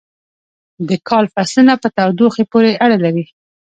د کال فصلونه په تودوخې پورې اړه لري.